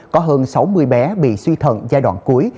có hơn sáu mươi bé bị suy thận giai đoạn cuối